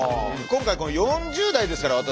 今回４０代ですから私。